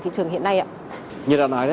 thị trường hiện nay ạ như đã nói